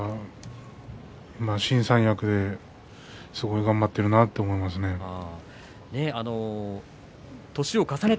新三役ですごい頑張っているなと思いますね。